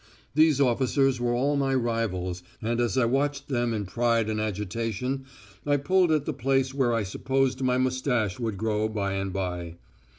These officers were all my rivals, and as I watched them in pride and agitation I pulled at the place where I supposed my moustache would grow by and by.